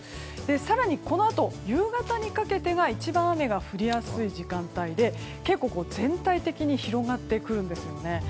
更にこのあと夕方にかけてが一番雨が降りやすい時間帯で結構、全体的に広がってくるんですよね。